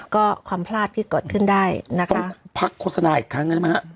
ก็ความพลาดก็กดขึ้นได้นะคะพักโฆษณาอีกครั้งท่านมั้ยฮะ